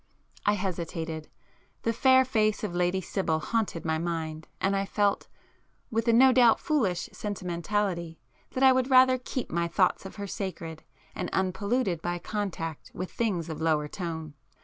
I hesitated. The fair face of Lady Sibyl haunted my mind,—and I felt, with a no doubt foolish sentimentality, that I would rather keep my thoughts of her sacred, and unpolluted by contact with things of lower tone.